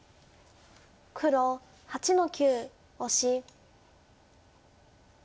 黒８の九オシ。